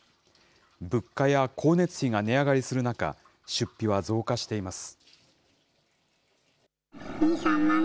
物価や光熱費が値上がりする中、出費は増加しています。